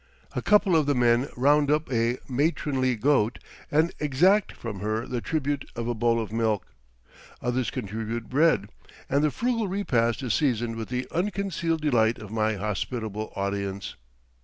A couple of the men round up a matronly goat and exact from her the tribute of a bowl of milk; others contribute bread, and the frugal repast is seasoned with the unconcealed delight of my hospitable audience.